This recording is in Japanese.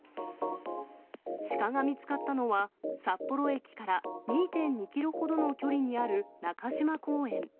シカが見つかったのは、札幌駅から２．２キロほどの距離にある中島公園。